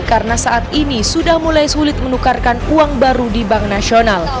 karena saat ini sudah mulai sulit menukarkan uang baru di bank nasional